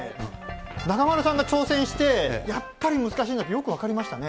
中丸さんが挑戦して、やっぱり難しいんだとよく分かりましたね。